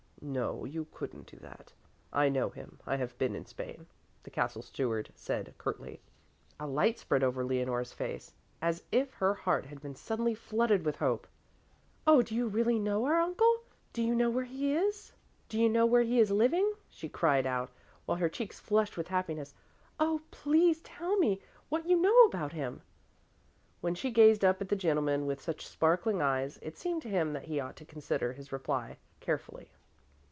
"No, you couldn't do that. I know him, I have been in Spain," the Castle Steward said curtly. A light spread over Leonore's face, as if her heart had been suddenly flooded with hope. "Oh, do you really know our uncle? Do you know where he is living?" she cried out, while her cheeks flushed with happiness. "Oh, please tell me what you know about him." When she gazed up at the gentleman with such sparkling eyes, it seemed to him that he ought to consider his reply carefully.